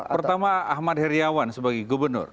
pertama ahmad heriawan sebagai gubernur